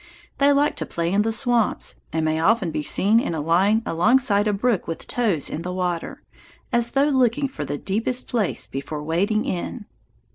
They like to play in the swamps, and may often be seen in a line alongside a brook with toes in the water, as though looking for the deepest place before wading in.